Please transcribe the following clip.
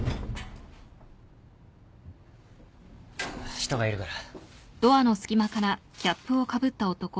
人がいるから。